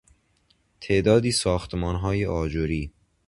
تعدادی ساختمانهای آجری